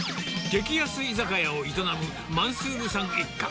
激安居酒屋を営むマンスールさん一家。